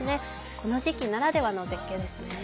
この時期ならではの絶景ですね。